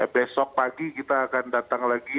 besok pagi kita akan datang lagi